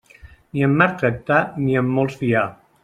Ni en mar tractar, ni en molts fiar.